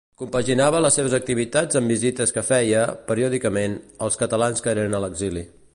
Compaginava les seves activitats amb visites que feia, periòdicament, als catalans que eren a l'exili.